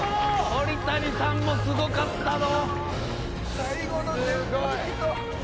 鳥谷さんもすごかったど。